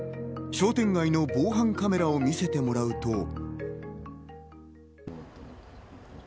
商店街の防犯カメラを見せてもらうと。